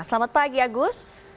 selamat pagi agus